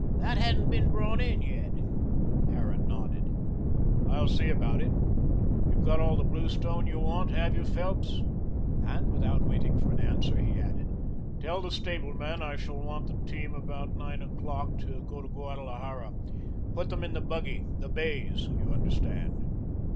"That hasn't been brought in yet." Harran nodded. "I'll see about it. You've got all the blue stone you want, have you, Phelps?" and without waiting for an answer he added, "Tell the stableman I shall want the team about nine o'clock to go to Guadalajara. Put them in the buggy. The bays, you understand."